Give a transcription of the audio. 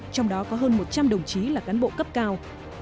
trong đó có hơn một trăm linh đồng chí là cán bộ cấp cao